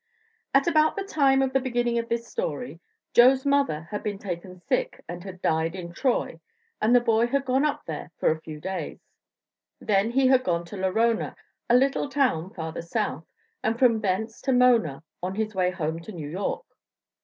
At about the time of the beginning of this story, Joe's mother had been taken sick and had died in Troy, and the boy had gone up there for a few days. Then he had gone to Lorona, a little town farther south, and from thence to Mona on his way home to New York.